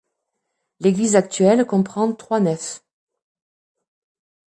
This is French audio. L'église actuelle comprend trois nefs.